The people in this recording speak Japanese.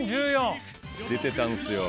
出てたんすよ。